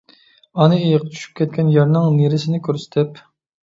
ئانا ئېيىق چۈشۈپ كەتكەن يەرنىڭ نېرىسىنى كۆرسىتىپ.